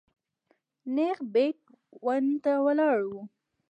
نېغ بېټ ون ته ولاړو.